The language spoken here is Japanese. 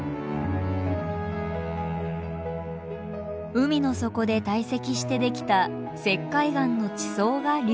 海の底で堆積してできた石灰岩の地層が隆起。